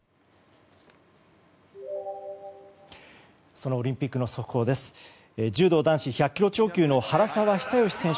そのオリンピックの速報です。